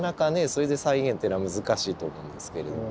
それで再現っていうのは難しいと思うんですけれども。